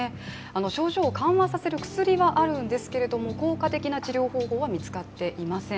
症状を緩和させる薬はあるんですけれども効果的な治療方法は見つかっていません。